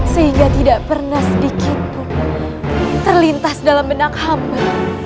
sehingga tidak pernah sedikit terlintas dalam benak hamba